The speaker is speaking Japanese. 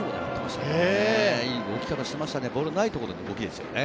いい動き方していましたね。